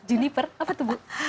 juniper apa tuh bu